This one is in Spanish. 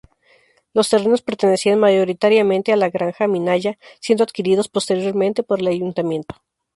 Los terrenos pertenecían mayoritariamente a la granja Minaya, siendo adquiridos posteriormente por el ayuntamiento.